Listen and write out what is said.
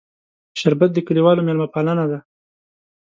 شربت د کلیوالو میلمهپالنه ده